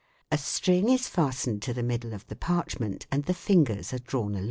A string is fastened to the middle of the parch ment, and the fingers are drawn along FIG.